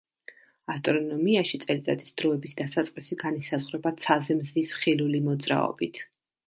ასტრონომიაში წელიწადის დროების დასაწყისი განისაზღვრება ცაზე მზის ხილული მოძრაობით.